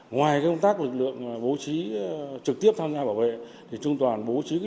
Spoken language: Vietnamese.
ngoài công tác lực lượng bố trí trực tiếp tham gia bảo vệ trung đoàn bố trí lực lượng